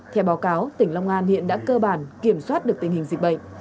theo báo cáo tỉnh long an hiện đã cơ bản kiểm soát được tình hình dịch bệnh